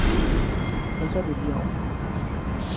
¿ella bebió?